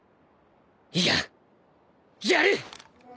いややる！！